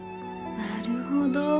なるほど。